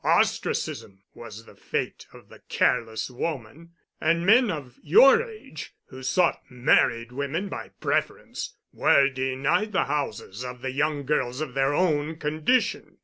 Ostracism was the fate of the careless woman; and men of your age who sought married women by preference were denied the houses of the young girls of their own condition.